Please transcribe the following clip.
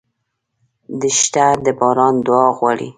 دښته د باران دعا غواړي.